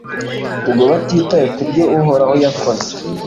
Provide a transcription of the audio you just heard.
ubwo batitaye ku byo uhoraho yakoze